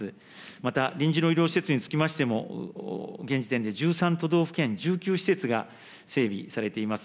また、臨時の医療施設につきましても、現時点で１３都道府県、１９施設が整備されています。